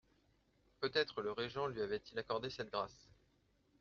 Peut-être le régent lui avait-il accordé cette grâce.